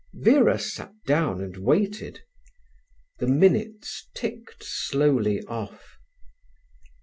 Vera sat down and waited. The minutes ticked slowly off.